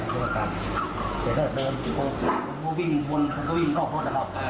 เดินออกวิ่งวนก็วิ่งออกรอบระหลัง